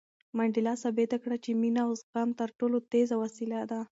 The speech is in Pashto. منډېلا ثابته کړه چې مینه او زغم تر ټولو تېزه وسله ده.